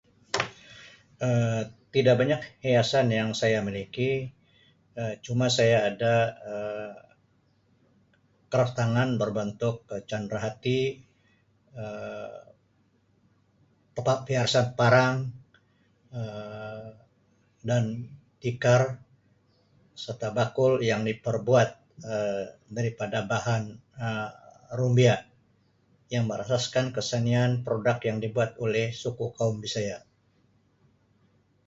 Um Tidak banyak hiasan yang saya miliki Um cuma saya ada Um kraftangan berbentuk Um candrahati, Um tempat piasa parang, Um dan tikar serta bakul yang diperbuat Um daripada bahan Um Rumbia yang berasaskan kesenian produk yang dibuat oleh suku kaum Bisaya.